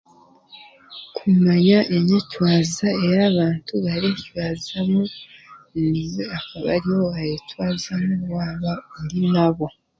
Kumanya enyetwaza ey'abantu bareetwazamu, niwe okaba niyo waayetwazamu waaba ori nabo